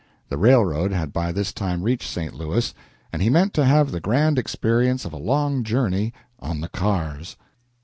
The railroad had by this time reached St. Louis, and he meant to have the grand experience of a long journey "on the cars."